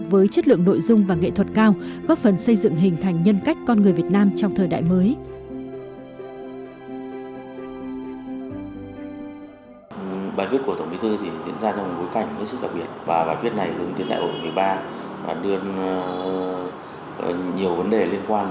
với chất lượng nội dung và nghệ thuật cao góp phần xây dựng hình thành nhân cách con người việt nam trong thời đại mới